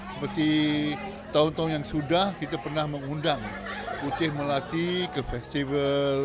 seperti tahun tahun yang sudah kita pernah mengundang putih melati ke festival